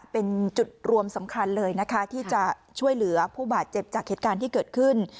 เป็นจุดรวมสำคัญเลยนะคะที่จะช่วยเหลือผู้บาดเจ็บจากเหตุการณ์ที่เกิดขึ้น